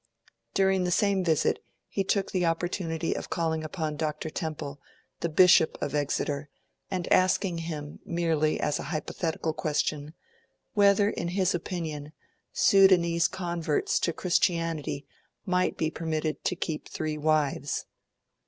During the same visit, he took the opportunity of calling upon Dr. Temple, the Bishop of Exeter, and asking him, merely as a hypothetical question, whether, in his opinion, Sudanese converts to Christianity might be permitted to keep three wives.